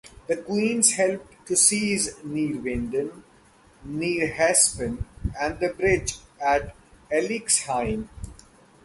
The Queen's helped to seize Neerwinden, Neerhespen, and the bridge at Elixheim.